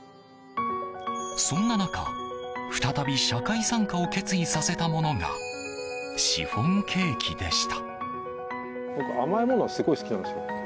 そんな中、再び社会参加を決意させたものがシフォンケーキでした。